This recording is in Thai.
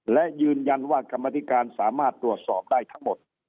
และยืนยันว่ากรรมธิการสามารถตรวจสอบได้ทั้งหมด